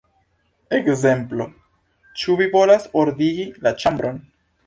Ekzemplo: 'Ĉu vi volas ordigi la ĉambron?